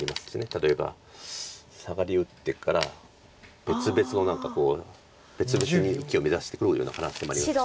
例えばサガリ打ってから別々の何か別々に生きを目指していくような可能性もありますし。